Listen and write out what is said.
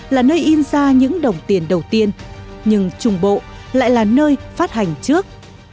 là nơi in ra những đồng tiền đầu tiên nhưng trung bộ lại là nơi phát hành trước